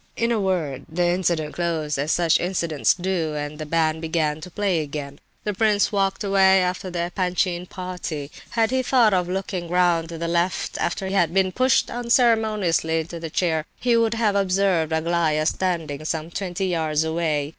In a word, the incident closed as such incidents do, and the band began to play again. The prince walked away after the Epanchin party. Had he thought of looking round to the left after he had been pushed so unceremoniously into the chair, he would have observed Aglaya standing some twenty yards away.